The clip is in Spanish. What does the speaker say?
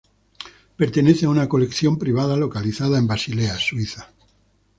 Pertenece a una colección privada localizada en Basilea, Suiza.